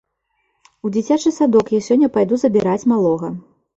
У дзіцячы садок я сёння пайду забіраць малога.